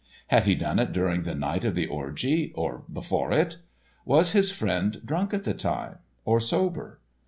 Had he done it during the night of the orgie, or before it? Was his friend drunk at the time, or sober?